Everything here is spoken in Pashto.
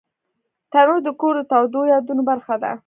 تنور د کور د تودو یادونو برخه ده